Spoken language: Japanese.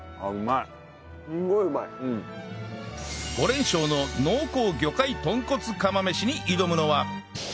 ５連勝の濃厚魚介豚骨釜飯に挑むのは